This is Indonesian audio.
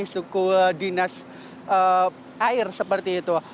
dan juga oleh pemerintah suku dinas air seperti itu